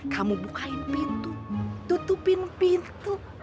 kamu bukain pintu tutupin pintu